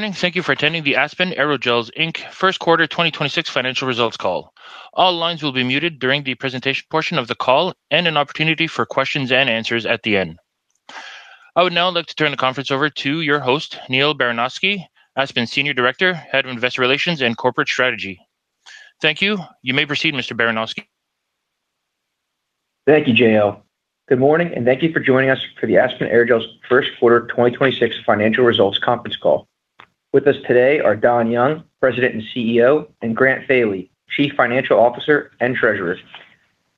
Morning. Thank you for attending the Aspen Aerogels, Inc. Q1 2026 financial results call. All lines will be muted during the presentation portion of the call and an opportunity for questions and answers at the end. I would now like to turn the conference over to your host, Neal Baranosky, Aspen Senior Director, Head of Investor Relations and Corporate Strategy. Thank you. You may proceed, Mr. Baranosky. Thank you, Jill. Good morning, thank you for joining us for the Aspen Aerogels Q1 2026 financial results conference call. With us today are Donald R. Young, President and CEO, and Grant Thoele, Chief Financial Officer and Treasurer.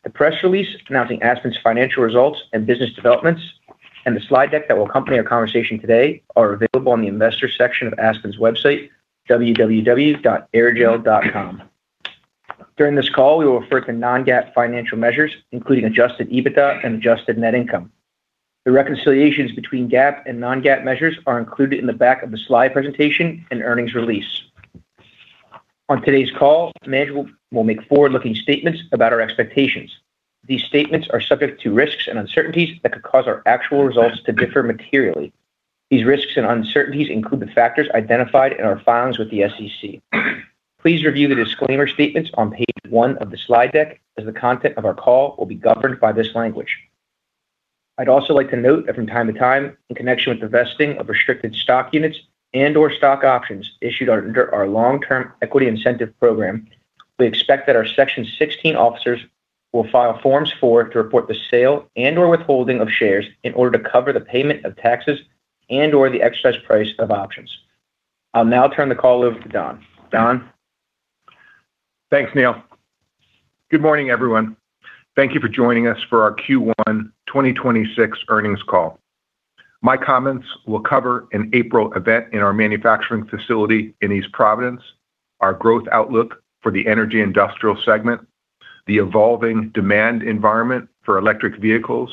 The press release announcing Aspen's financial results and business developments and the slide deck that will accompany our conversation today are available on the investors section of Aspen's website, www.aerogel.com. During this call, we will refer to non-GAAP financial measures, including Adjusted EBITDA and Adjusted Net Income. The reconciliations between GAAP and non-GAAP measures are included in the back of the slide presentation and earnings release. On today's call, management will make forward-looking statements about our expectations. These statements are subject to risks and uncertainties that could cause our actual results to differ materially. These risks and uncertainties include the factors identified in our filings with the SEC. Please review the disclaimer statements on page one of the slide deck, as the content of our call will be governed by this language. I'd also like to note that from time to time, in connection with the vesting of restricted stock units and/or stock options issued under our long-term equity incentive program, we expect that our Section 16 officers will file Forms 4 to report the sale and/or withholding of shares in order to cover the payment of taxes and/or the exercise price of options. I'll now turn the call over to Don. Don? Thanks, Neal. Good morning, everyone. Thank you for joining us for our Q1 2026 earnings call. My comments will cover an April event in our manufacturing facility in East Providence, our growth outlook for the Energy Industrial segment, the evolving demand environment for electric vehicles,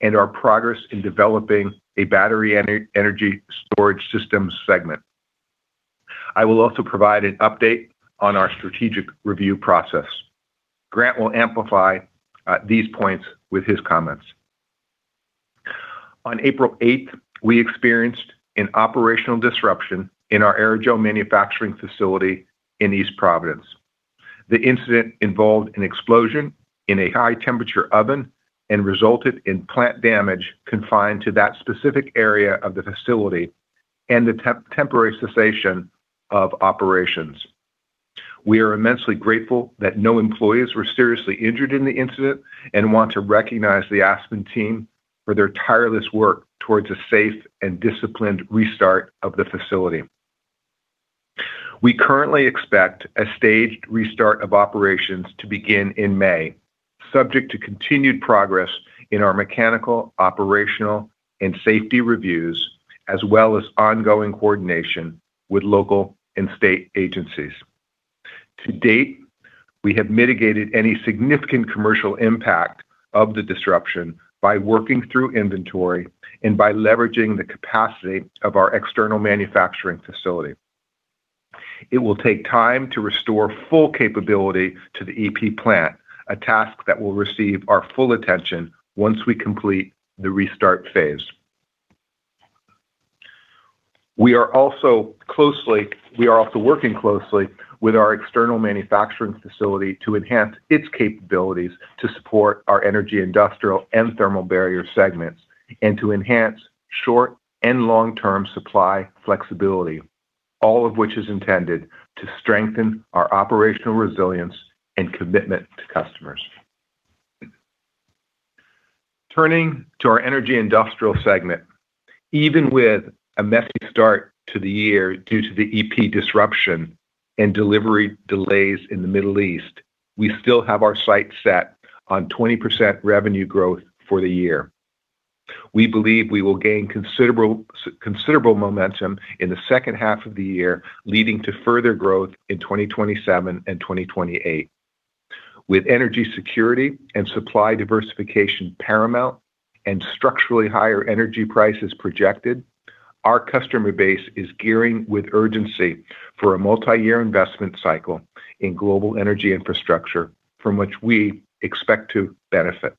and our progress in developing a battery and energy storage systems segment. I will also provide an update on our strategic review process. Grant will amplify these points with his comments. On April eighth, we experienced an operational disruption in our Aerogel manufacturing facility in East Providence. The incident involved an explosion in a high-temperature oven and resulted in plant damage confined to that specific area of the facility and the temporary cessation of operations. We are immensely grateful that no employees were seriously injured in the incident and want to recognize the Aspen team for their tireless work towards a safe and disciplined restart of the facility. We currently expect a staged restart of operations to begin in May, subject to continued progress in our mechanical, operational and safety reviews, as well as ongoing coordination with local and state agencies. To date, we have mitigated any significant commercial impact of the disruption by working through inventory and by leveraging the capacity of our external manufacturing facility. It will take time to restore full capability to the EP plant, a task that will receive our full attention once we complete the restart phase. We are also working closely with our external manufacturing facility to enhance its capabilities to support our Energy Industrial and Thermal Barrier segments and to enhance short- and long-term supply flexibility, all of which is intended to strengthen our operational resilience and commitment to customers. Turning to our Energy Industrial segment. Even with a messy start to the year due to the EP disruption and delivery delays in the Middle East, we still have our sights set on 20% revenue growth for the year. We believe we will gain considerable momentum in the second half of the year, leading to further growth in 2027 and 2028. With energy security and supply diversification paramount and structurally higher energy prices projected, our customer base is gearing with urgency for a multi-year investment cycle in global energy infrastructure from which we expect to benefit.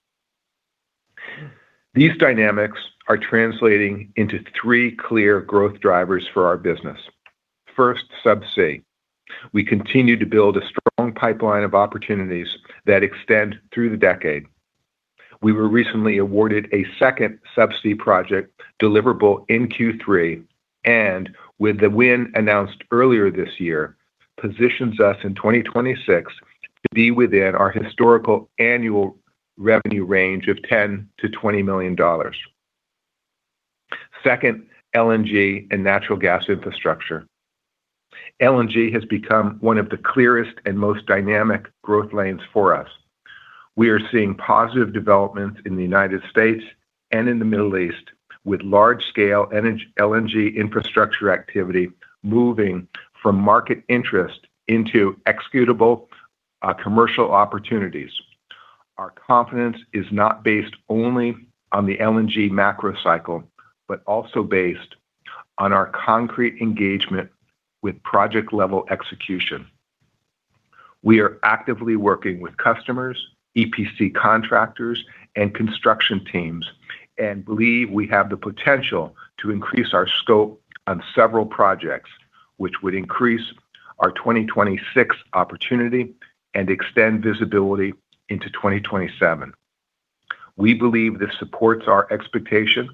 These dynamics are translating into three clear growth drivers for our business. First, Subsea. We continue to build a strong pipeline of opportunities that extend through the decade. We were recently awarded a second Subsea project deliverable in Q3, and with the win announced earlier this year, positions us in 2026 to be within our historical annual revenue range of $10 million-$20 million. Second, LNG and natural gas infrastructure. LNG has become one of the clearest and most dynamic growth lanes for us. We are seeing positive developments in the U.S. and in the Middle East, with large-scale LNG infrastructure activity moving from market interest into executable commercial opportunities. Our confidence is not based only on the LNG macro cycle, but also based on our concrete engagement with project-level execution. We are actively working with customers, EPC contractors, and construction teams, and believe we have the potential to increase our scope on several projects, which would increase our 2026 opportunity and extend visibility into 2027. We believe this supports our expectation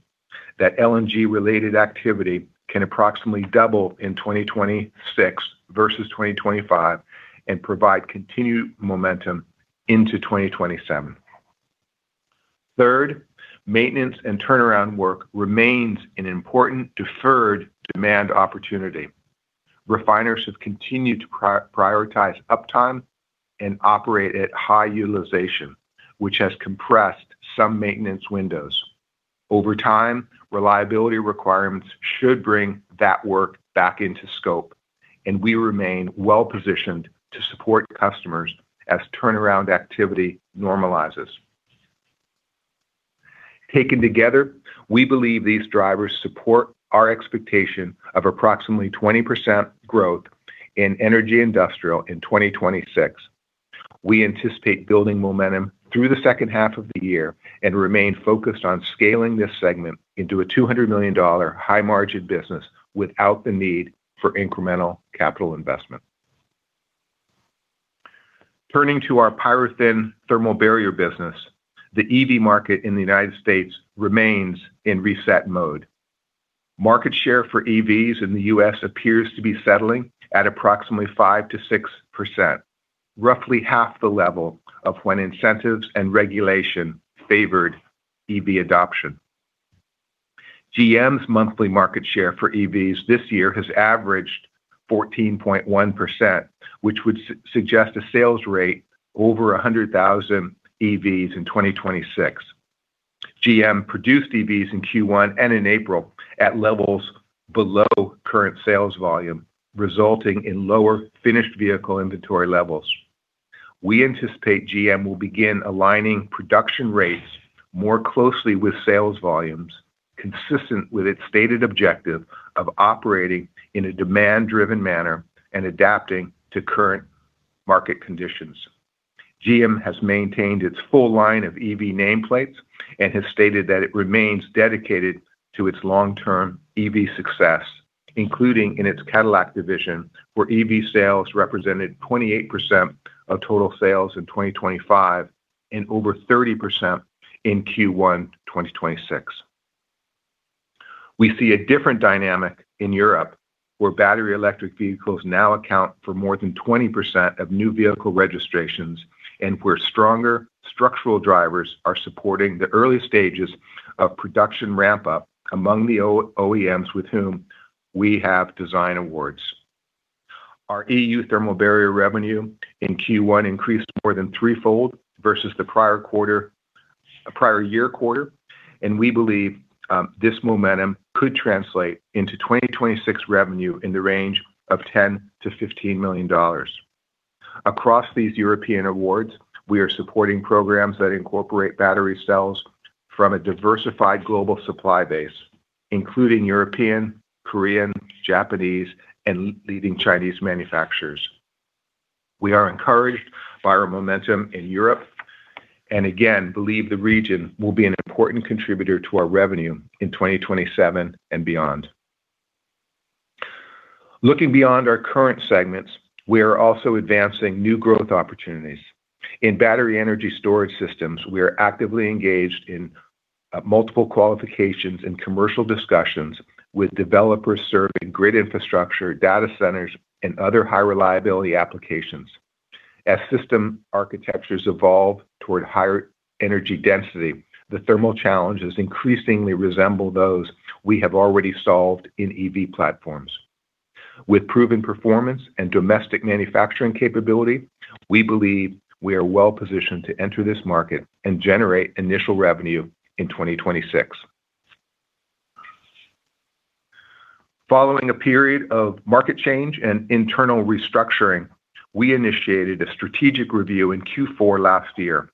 that LNG related activity can approximately double in 2026 versus 2025 and provide continued momentum into 2027. Third, maintenance and turnaround work remains an important deferred demand opportunity. Refiners have continued to prioritize uptime and operate at high utilization, which has compressed some maintenance windows. Over time, reliability requirements should bring that work back into scope, and we remain well-positioned to support customers as turnaround activity normalizes. Taken together, we believe these drivers support our expectation of approximately 20% growth in Energy Industrial in 2026. We anticipate building momentum through the second half of the year and remain focused on scaling this segment into a $200 million high margin business without the need for incremental capital investment. Turning to our PyroThin Thermal Barrier business, the EV market in the U.S. remains in reset mode. Market share for EVs in the U.S. appears to be settling at approximately 5%-6%, roughly half the level of when incentives and regulation favored EV adoption. GM's monthly market share for EVs this year has averaged 14.1%, which would suggest a sales rate over 100,000 EVs in 2026. GM produced EVs in Q1 and in April at levels below current sales volume, resulting in lower finished vehicle inventory levels. We anticipate GM will begin aligning production rates more closely with sales volumes, consistent with its stated objective of operating in a demand-driven manner and adapting to current market conditions. GM has maintained its full line of EV nameplates and has stated that it remains dedicated to its long-term EV success, including in its Cadillac division, where EV sales represented 28% of total sales in 2025 and over 30% in Q1 2026. We see a different dynamic in Europe, where battery electric vehicles now account for more than 20% of new vehicle registrations and where stronger structural drivers are supporting the early stages of production ramp-up among the OEMs with whom we have design awards. Our EU Thermal Barrier revenue in Q1 increased more than threefold versus the prior year quarter, and we believe this momentum could translate into 2026 revenue in the range of $10 million-$15 million. Across these European awards, we are supporting programs that incorporate battery cells from a diversified global supply base, including European, Korean, Japanese, and leading Chinese manufacturers. We are encouraged by our momentum in Europe and again, believe the region will be an important contributor to our revenue in 2027 and beyond. Looking beyond our current segments, we are also advancing new growth opportunities. In battery energy storage systems, we are actively engaged in multiple qualifications and commercial discussions with developers serving grid infrastructure, data centers, and other high reliability applications. As system architectures evolve toward higher energy density, the thermal challenges increasingly resemble those we have already solved in EV platforms. With proven performance and domestic manufacturing capability, we believe we are well-positioned to enter this market and generate initial revenue in 2026. Following a period of market change and internal restructuring, we initiated a strategic review in Q4 last year.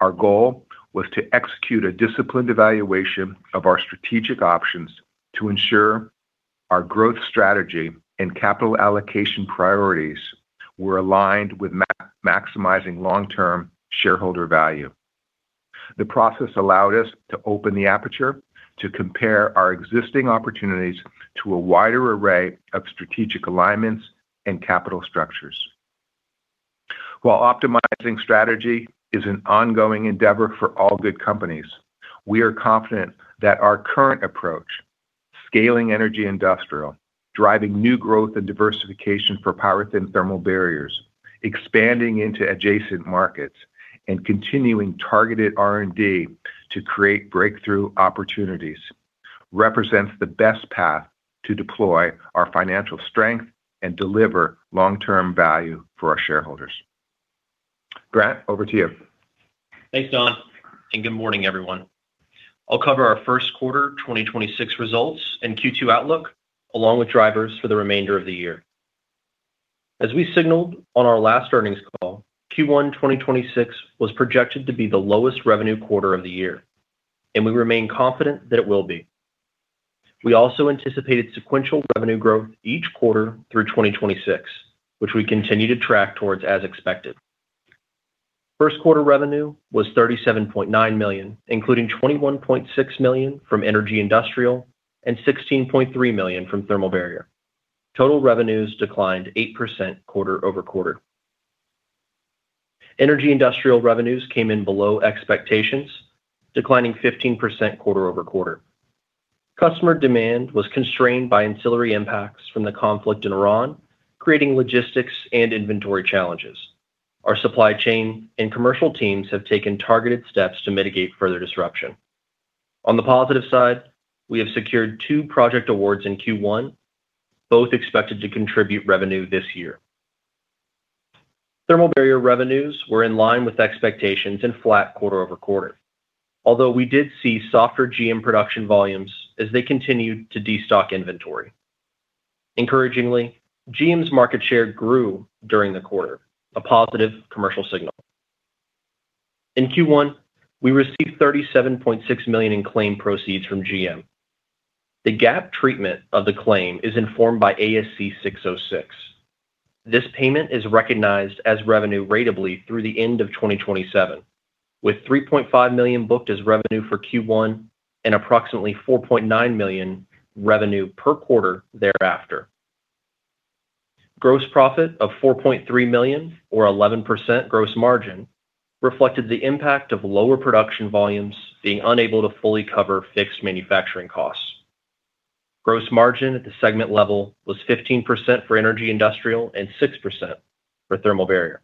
Our goal was to execute a disciplined evaluation of our strategic options to ensure our growth strategy and capital allocation priorities were aligned with maximizing long-term shareholder value. The process allowed us to open the aperture to compare our existing opportunities to a wider array of strategic alignments and capital structures. While optimizing strategy is an ongoing endeavor for all good companies, we are confident that our current approach, scaling Energy Industrial, driving new growth and diversification for PyroThin thermal barriers, expanding into adjacent markets, and continuing targeted R&D to create breakthrough opportunities, represents the best path to deploy our financial strength and deliver long-term value for our shareholders. Grant, over to you. Thanks, Don, and good morning, everyone. I'll cover our Q1 2026 results and Q2 outlook, along with drivers for the remainder of the year. As we signaled on our last earnings call, Q1 2026 was projected to be the lowest revenue quarter of the year, and we remain confident that it will be. We also anticipated sequential revenue growth each quarter through 2026, which we continue to track towards as expected. Q1 revenue was $37.9 million, including $21.6 million from Energy Industrial and $16.3 million from Thermal Barrier. Total revenues declined 8% quarter-over-quarter. Energy Industrial revenues came in below expectations, declining 15% quarter-over-quarter. Customer demand was constrained by ancillary impacts from the conflict in Iran, creating logistics and inventory challenges. Our supply chain and commercial teams have taken targeted steps to mitigate further disruption. On the positive side, we have secured two project awards in Q1, both expected to contribute revenue this year. Thermal Barrier revenues were in line with expectations and flat quarter-over-quarter. We did see softer GM production volumes as they continued to destock inventory. Encouragingly, GM's market share grew during the quarter, a positive commercial signal. In Q1, we received $37.6 million in claim proceeds from GM. The GAAP treatment of the claim is informed by ASC 606. This payment is recognized as revenue ratably through the end of 2027, with $3.5 million booked as revenue for Q1 and approximately $4.9 million revenue per quarter thereafter. Gross profit of $4.3 million or 11% gross margin reflected the impact of lower production volumes being unable to fully cover fixed manufacturing costs. Gross margin at the segment level was 15% for Energy Industrial and 6% for Thermal Barrier.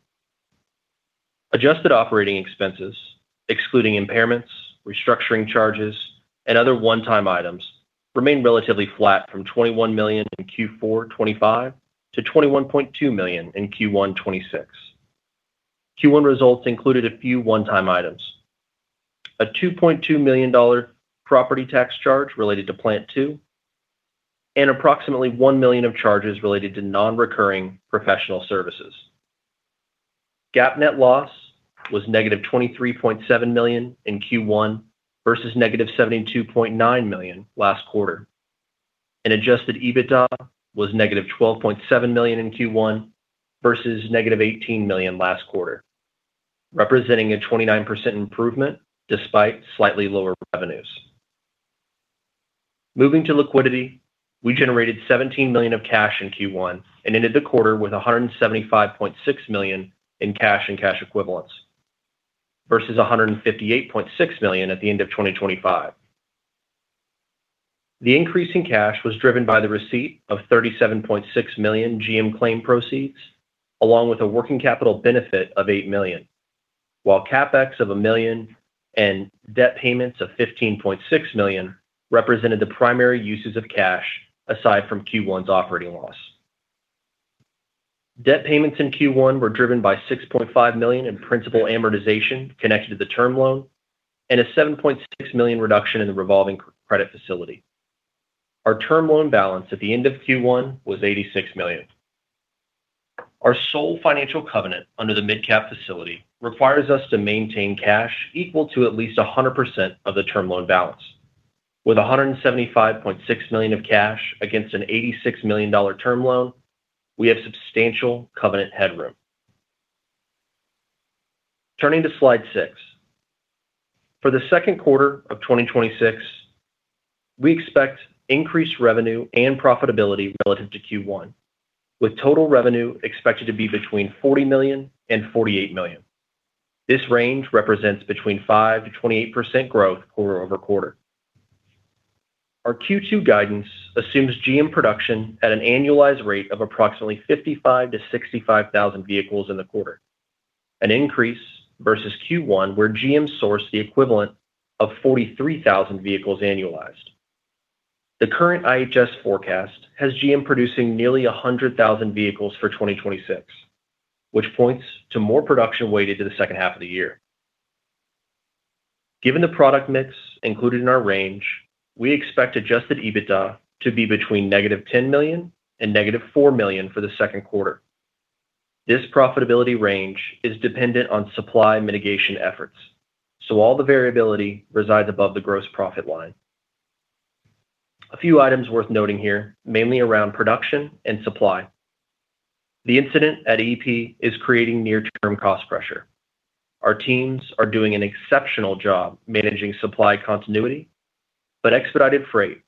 Adjusted operating expenses, excluding impairments, restructuring charges, and other one-time items remained relatively flat from $21 million in Q4 2025 to $21.2 million in Q1 2026. Q1 results included a few one-time items. A $2.2 million property tax charge related to Plant 2 and approximately $1 million of charges related to non-recurring professional services. GAAP net loss was negative $23.7 million in Q1 versus negative $72.9 million last quarter. Adjusted EBITDA was negative $12.7 million in Q1 versus negative $18 million last quarter, representing a 29% improvement despite slightly lower revenues. Moving to liquidity, we generated $17 million of cash in Q1 and ended the quarter with $175.6 million in cash and cash equivalents versus $158.6 million at the end of 2025. The increase in cash was driven by the receipt of $37.6 million GM claim proceeds, along with a working capital benefit of $8 million. While CapEx of $1 million and debt payments of $15.6 million represented the primary uses of cash aside from Q1's operating loss. Debt payments in Q1 were driven by $6.5 million in principal amortization connected to the term loan and a $7.6 million reduction in the revolving credit facility. Our term loan balance at the end of Q1 was $86 million. Our sole financial covenant under the MidCap facility requires us to maintain cash equal to at least 100% of the term loan balance. With $175.6 million of cash against an $86 million term loan, we have substantial covenant headroom. Turning to slide six. For the Q2 of 2026, we expect increased revenue and profitability relative to Q1, with total revenue expected to be between $40 million and $48 million. This range represents between 5%-28% growth quarter-over-quarter. Our Q2 guidance assumes GM production at an annualized rate of approximately 55,000-65,000 vehicles in the quarter, an increase versus Q1 where GM sourced the equivalent of 43,000 vehicles annualized. The current IHS Markit forecast has GM producing nearly 100,000 vehicles for 2026, which points to more production weighted to the second half of the year. Given the product mix included in our range, we expect Adjusted EBITDA to be between -$10 million and -$4 million for the Q2. This profitability range is dependent on supply mitigation efforts, so all the variability resides above the gross profit line. A few items worth noting here, mainly around production and supply. The incident at EP is creating near-term cost pressure. Our teams are doing an exceptional job managing supply continuity, but expedited freight,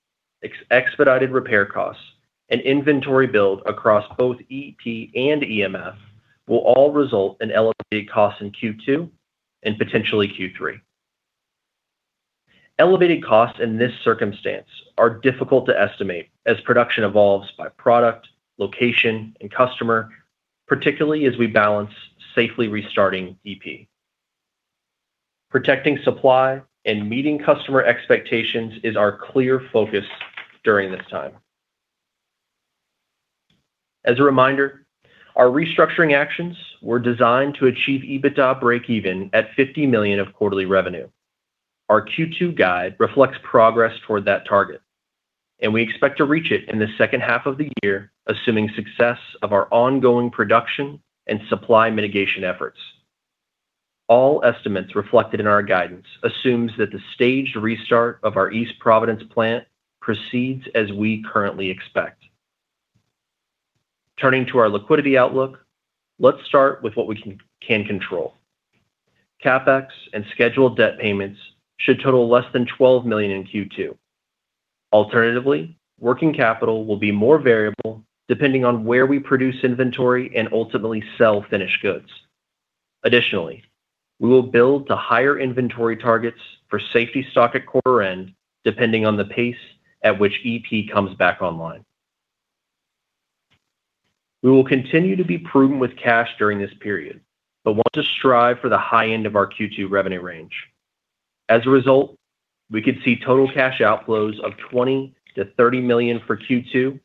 expedited repair costs and inventory build across both EP and EMF will all result in elevated costs in Q2 and potentially Q3. Elevated costs in this circumstance are difficult to estimate as production evolves by product, location, and customer, particularly as we balance safely restarting EP. Protecting supply and meeting customer expectations is our clear focus during this time. As a reminder, our restructuring actions were designed to achieve EBITDA breakeven at $50 million of quarterly revenue. Our Q2 guide reflects progress toward that target. We expect to reach it in the second half of the year, assuming success of our ongoing production and supply mitigation efforts. All estimates reflected in our guidance assumes that the staged restart of our East Providence plant proceeds as we currently expect. Turning to our liquidity outlook, let's start with what we can control. CapEx and scheduled debt payments should total less than $12 million in Q2. Alternatively, working capital will be more variable depending on where we produce inventory and ultimately sell finished goods. Additionally, we will build to higher inventory targets for safety stock at quarter end, depending on the pace at which EP comes back online. We will continue to be prudent with cash during this period, but want to strive for the high end of our Q2 revenue range. As a result, we could see total cash outflows of $20 million-$30 million for Q2,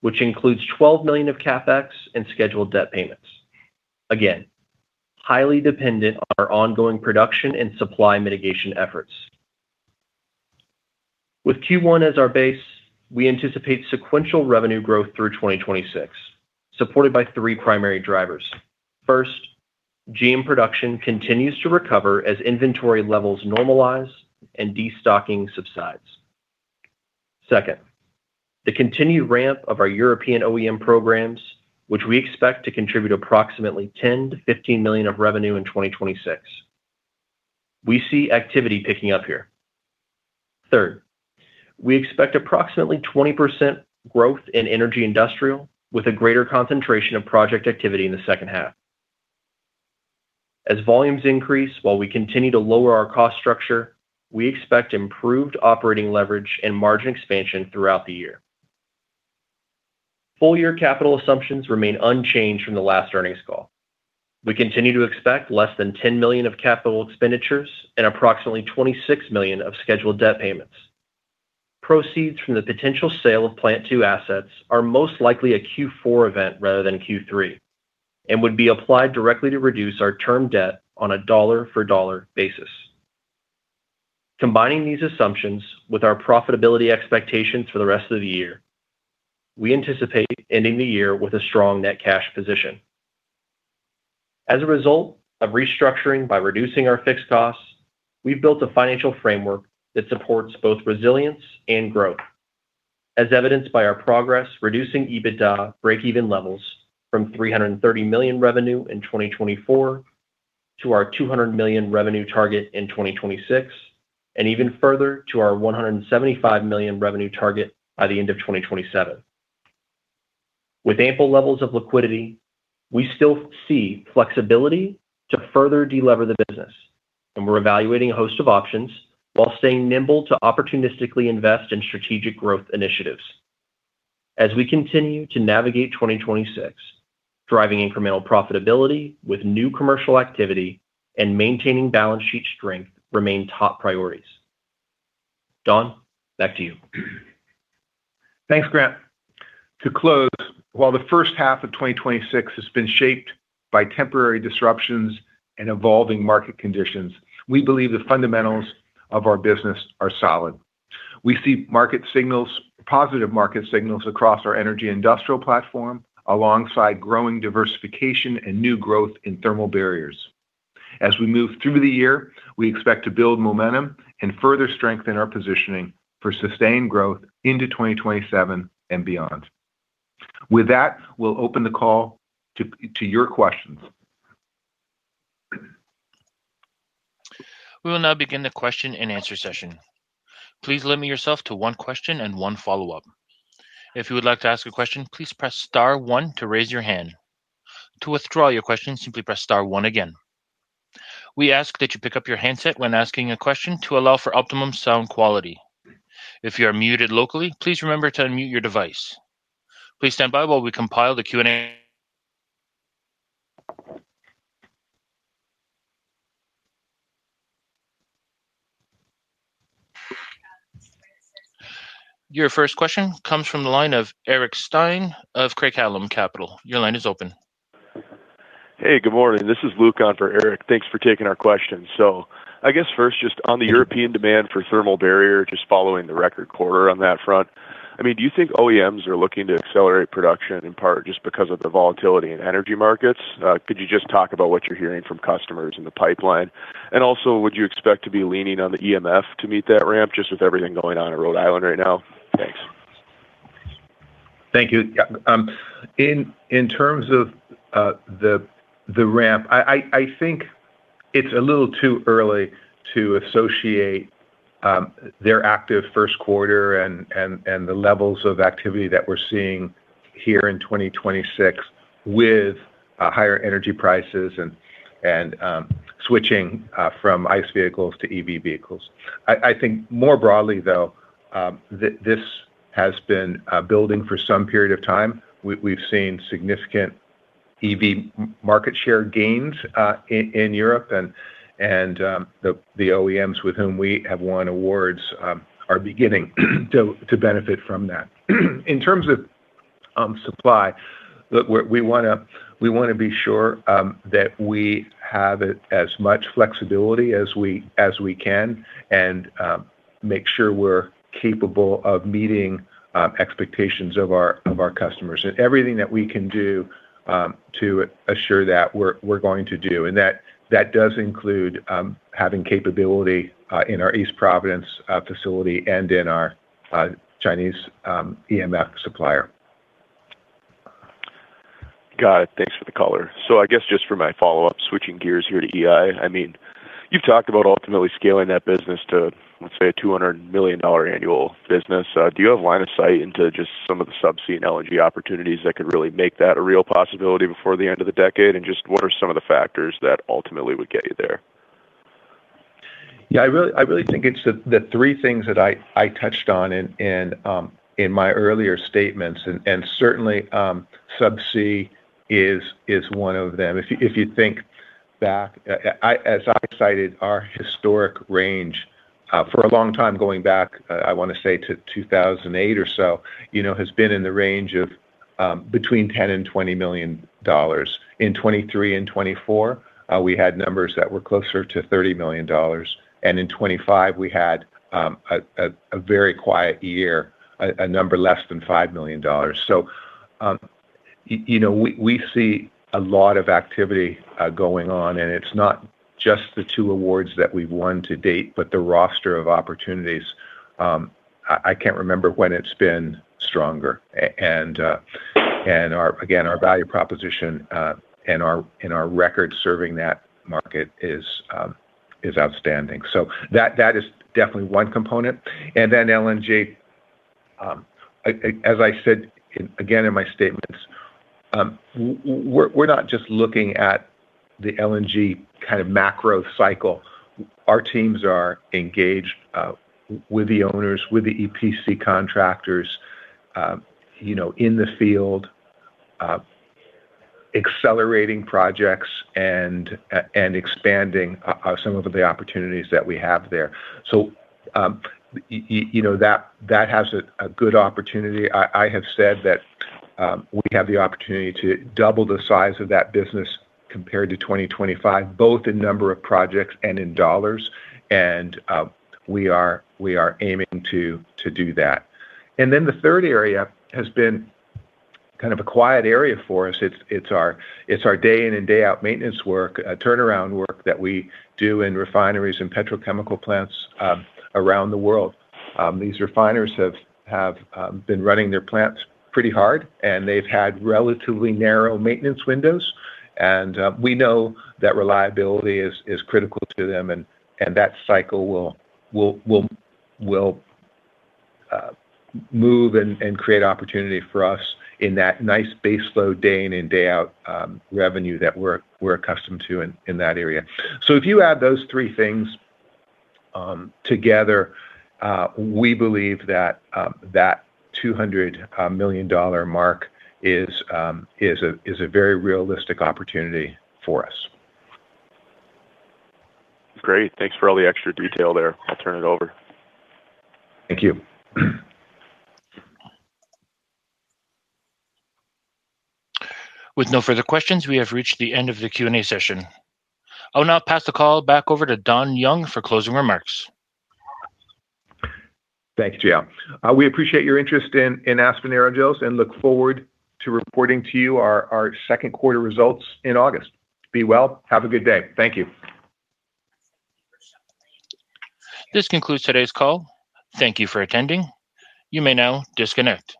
which includes $12 million of CapEx and scheduled debt payments. Highly dependent on our ongoing production and supply mitigation efforts. With Q1 as our base, we anticipate sequential revenue growth through 2026, supported by three primary drivers. First, GM production continues to recover as inventory levels normalize and destocking subsides. Second, the continued ramp of our European OEM programs, which we expect to contribute approximately $10 million-$15 million of revenue in 2026. We see activity picking up here. Third, we expect approximately 20% growth in Energy Industrial with a greater concentration of project activity in the second half. As volumes increase while we continue to lower our cost structure, we expect improved operating leverage and margin expansion throughout the year. Full year capital assumptions remain unchanged from the last earnings call. We continue to expect less than $10 million of capital expenditures and approximately $26 million of scheduled debt payments. Proceeds from the potential sale of Plant 2 assets are most likely a Q4 event rather than Q3 and would be applied directly to reduce our term debt on a dollar-for-dollar basis. Combining these assumptions with our profitability expectations for the rest of the year, we anticipate ending the year with a strong net cash position. As a result of restructuring by reducing our fixed costs, we've built a financial framework that supports both resilience and growth, as evidenced by our progress reducing EBITDA breakeven levels from $330 million revenue in 2024 to our $200 million revenue target in 2026, and even further to our $175 million revenue target by the end of 2027. With ample levels of liquidity, we still see flexibility to further delever the business, and we're evaluating a host of options while staying nimble to opportunistically invest in strategic growth initiatives. As we continue to navigate 2026, driving incremental profitability with new commercial activity and maintaining balance sheet strength remain top priorities. Don, back to you. Thanks, Grant. To close, while the first half of 2026 has been shaped by temporary disruptions and evolving market conditions, we believe the fundamentals of our business are solid. We see positive market signals across our Energy Industrial platform alongside growing diversification and new growth in Thermal Barriers. As we move through the year, we expect to build momentum and further strengthen our positioning for sustained growth into 2027 and beyond. With that, we'll open the call to your questions. We will now begin the question and answer session. Please limit yourself to one question and one follow-up. If you would like to ask a question, please press star one to raise your hand. To withdraw your question, simply press star one again. We ask that you pick up your handset when asking a question to allow for optimum sound quality. If you are muted locally, please remember to unmute your device. Please stand by while we compile the Q&A. Your first question comes from the line of Eric Stine of Craig-Hallum Capital. Your line is open. Hey, good morning. This is Luke on for Eric. Thanks for taking our question. I guess first, just on the European demand for Thermal Barrier, just following the record quarter on that front. I mean, do you think OEMs are looking to accelerate production in part just because of the volatility in energy markets? Could you just talk about what you're hearing from customers in the pipeline? Also, would you expect to be leaning on the EMF to meet that ramp just with everything going on in Rhode Island right now? Thanks. Thank you. In terms of the ramp, I think it's a little too early to associate their active Q1 and the levels of activity that we're seeing here in 2026 with higher energy prices and switching from ICE vehicles to EV vehicles. I think more broadly though, this has been building for some period of time. We've seen significant EV market share gains in Europe, and the OEMs with whom we have won awards are beginning to benefit from that. In terms of supply, look, we wanna be sure that we have as much flexibility as we can and make sure we're capable of meeting expectations of our customers. Everything that we can do to assure that we're going to do. That does include having capability in our East Providence facility and in our Chinese EMF supplier. Got it. Thanks for the color. I guess just for my follow-up, switching gears here to EI, I mean, you've talked about ultimately scaling that business to, let’s say, a $200 million annual business. Do you have line of sight into just some of the Subsea and LNG opportunities that could really make that a real possibility before the end of the decade? Just what are some of the factors that ultimately would get you there? Yeah, I really think it's the three things that I touched on in my earlier statements. Certainly, subsea is one of them. If you think back, as I cited our historic range, for a long time going back, I wanna say to 2008 or so, you know, has been in the range of between $10 million and $20 million. In 2023 and 2024, we had numbers that were closer to $30 million. In 2025 we had a very quiet year, a number less than $5 million. You know, we see a lot of activity going on, and it's not just the two awards that we've won to date, but the roster of opportunities, I can't remember when it's been stronger. And again, our value proposition and our record serving that market is outstanding. That is definitely one component. LNG, as I said again in my statements, we're not just looking at the LNG kind of macro cycle. Our teams are engaged with the owners, with the EPC contractors, you know, in the field, accelerating projects and expanding some of the opportunities that we have there. You know, that has a good opportunity. I have said that we have the opportunity to double the size of that business compared to 2025, both in number of projects and in dollars. We are aiming to do that. The third area has been kind of a quiet area for us. It's our day in and day out maintenance work, turnaround work that we do in refineries and petrochemical plants around the world. These refiners have been running their plants pretty hard, they've had relatively narrow maintenance windows. We know that reliability is critical to them. That cycle will move and create opportunity for us in that nice base load day in and day out revenue that we're accustomed to in that area. If you add those three things together, we believe that that $200 million mark is a very realistic opportunity for us. Great. Thanks for all the extra detail there. I'll turn it over. Thank you. With no further questions, we have reached the end of the Q&A session. I'll now pass the call back over to Donald R. Young for closing remarks. Thanks, Jill. We appreciate your interest in Aspen Aerogels and look forward to reporting to you our Q2 results in August. Be well. Have a good day. Thank you. This concludes today's call. Thank you for attending. You may now disconnect.